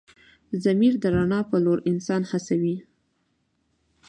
ضمیر د رڼا په لور انسان هڅوي.